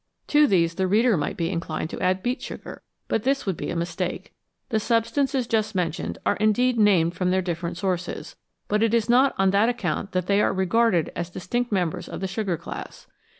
To these the reader might be inclined to add beet sugar, but this would be a mistake. The x substances just mentioned are indeed named from their different sources, but it is not on that account that they are regarded as distinct members of the sugar class.